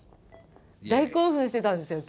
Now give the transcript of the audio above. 大興奮してたんですよ。